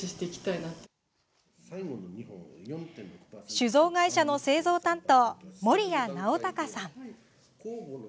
酒造会社の製造担当守屋直高さん。